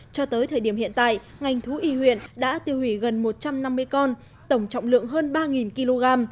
cho tới thời điểm hiện tại ngành thú y huyện đã tiêu hủy gần một trăm năm mươi con tổng trọng lượng hơn ba kg